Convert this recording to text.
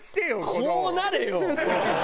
こうなれよ！